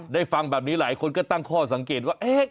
ฟังแบบนี้หลายคนก็ตั้งข้อสังเกตว่า